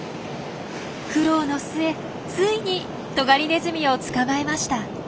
苦労の末ついにトガリネズミを捕まえました！